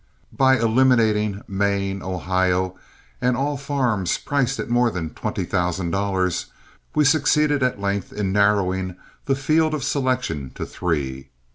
By eliminating Maine, Ohio and all farms priced at more than twenty thousand dollars, we succeeded at length in narrowing the field of selection to three.